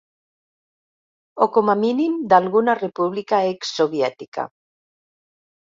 O com a mínim d'alguna república exsoviètica.